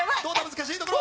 難しいところ。